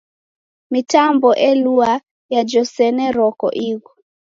Mitambo elaw'ua yajoseronoko ighu.